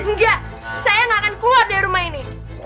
enggak saya nggak akan keluar dari rumah ini